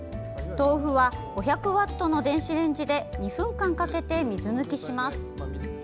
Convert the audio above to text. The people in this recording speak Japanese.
豆腐は５００ワットの電子レンジで２分間かけて水抜きします。